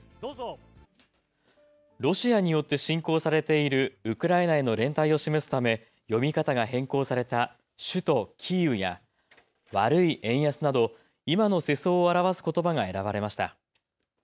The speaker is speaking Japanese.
ロシアによって侵攻されているウクライナへの連帯を示すため読み方が変更された首都キーウや悪い円安など今の世相を表すことばが選ばれました。